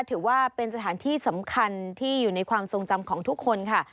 ถือว่าเป็นสถานที่สำคัญที่อยู่ในความทรงจำของทุกคนค่ะ